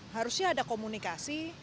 harusnya ada komunikasi